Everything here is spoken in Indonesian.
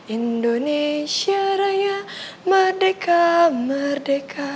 indonesia raya merdeka merdeka